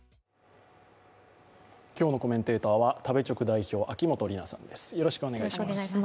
今日のコメンテーターは食べチョク代表、秋元里奈さんです